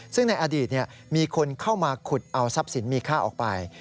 ซึ่งในอดีตมีคนเข้ามาขุดเอาทรัพย์สินมีค่าออกไป